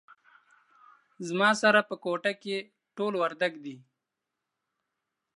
زما سره په کوټه کې ټول وردګ دي